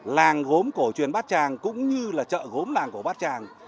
làng gốm cổ truyền bát tràng cũng như là chợ gốm làng cổ bát tràng